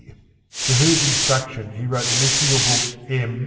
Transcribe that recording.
for whose instruction he wrote the mystical books M.